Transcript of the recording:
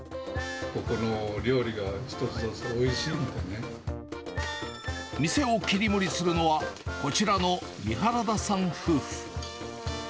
ここの料理が一つ一つおいし店を切り盛りするのは、こちらの三原田さん夫婦。